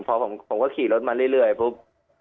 พอผมก็ขี่รถมาเรื่อยปุ๊บ